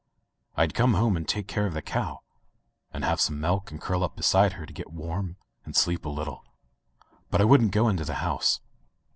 Fd come home and take care of die cow, and have some milk and curl up beside her to get warm and sleep a litde. But I wouldn't go into the house.